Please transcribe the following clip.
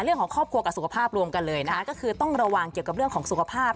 เรื่องของครอบครัวกับสุขภาพรวมกันเลยนะคะก็คือต้องระวังเกี่ยวกับเรื่องของสุขภาพ